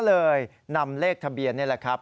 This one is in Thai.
เลยนำเลขทะเบียนนี่แหละครับ